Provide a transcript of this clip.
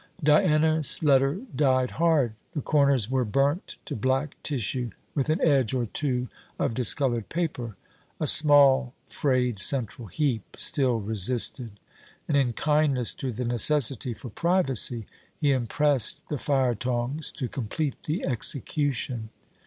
Diana's letter died hard. The corners were burnt to black tissue, with an edge or two of discoloured paper. A small frayed central heap still resisted, and in kindness to the necessity for privacy, he impressed the fire tongs to complete the execution.